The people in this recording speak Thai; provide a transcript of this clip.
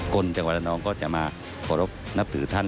คนจังหวัดละนองก็จะมาขอรบนับถือท่าน